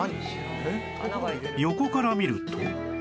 横から見ると